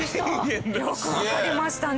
よくわかりましたね。